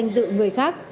dự người khác